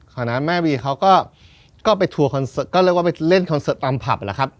คณะแม่วีเขาก็ไปทัวร์คอนเสิร์ตก็เรียกว่าไปเล่นคอนเสิร์ตตามผับแหละครับ